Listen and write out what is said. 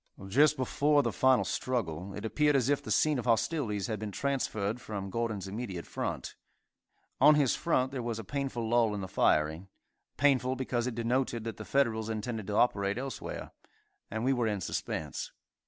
Just before the final struggle, it appeared as if the scene of hostilities had been transferred from Gordon's immediate front. On his front there was a painful lull in the firing; painful because it denoted that the Federals intended to operate elsewhere, and we were in suspense.